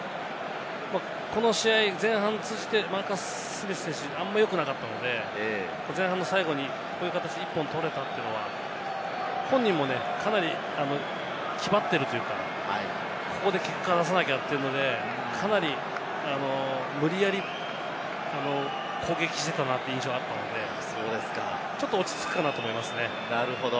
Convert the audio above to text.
この試合、前半を通じでマーカス・スミス選手、あんまりよくなかったので、前半の最後にこういう形で１本取れたというのは本人もかなりきばっているというか、ここで結果を出さなきゃということで、かなり攻撃してたなという印象だったので、ちょっと落ち着くかなと思いますね。